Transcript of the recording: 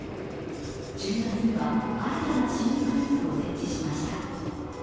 １０月には新たな諮問グループを設置しました。